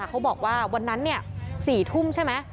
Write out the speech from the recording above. เขาบอกว่าวันนั้น๔ทุ่มใช่ไหม